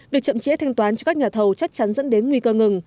việc chậm chẽ thanh toán cho các nhà thầu chắc chắn dẫn đến nguy cơ ngừng